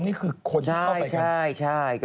นี่คืออยู่ข้อหลบค่ะ